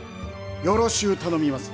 よろしう頼みます。